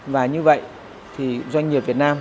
và như vậy thì doanh nghiệp việt nam